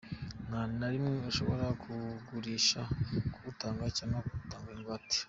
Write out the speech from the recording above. Nta na rimwe ashobora kuwugurisha, kuwutanga cyangwa kuwutangaho ingwate.